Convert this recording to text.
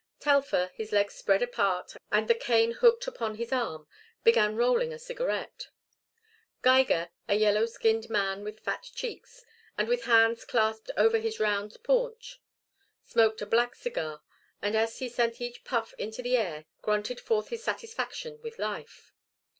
Telfer, his legs spread apart and the cane hooked upon his arm, began rolling a cigarette; Geiger, a yellow skinned man with fat cheeks and with hands clasped over his round paunch, smoked a black cigar, and as he sent each puff into the air, grunted forth his satisfaction with life.